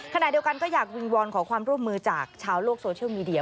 ขณะเดียวกันก็อยากวิงวอนขอความร่วมมือจากชาวโลกโซเชียลมีเดีย